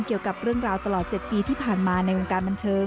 เกี่ยวกับเรื่องราวตลอด๗ปีที่ผ่านมาในวงการบันเทิง